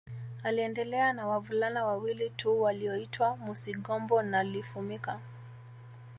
Aliendelea na wavulana wawili tu walioitwa Musigombo na Lifumika